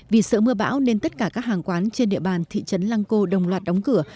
vì sợ mưa bão nên tất cả các hàng quán trên địa bàn thị trấn lăng cô đồng loạt đóng cửa